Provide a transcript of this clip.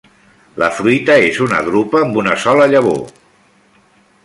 La fruita és una drupa amb una sola llavor.